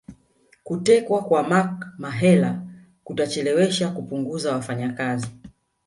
Kutekwa kwa Mark Mahela kutachelewesha kupunguza wafanyakazi